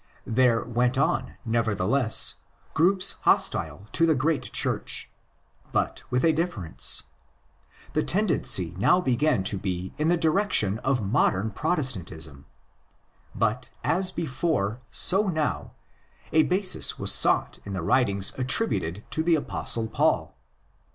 There went on, nevertheless, groups hostile to the great Church; but with a difference. The tendency now began to be in the direction of modern Pro testantism. But as before, so now, a basis was sought in the writings attributed to the Apostle Paul.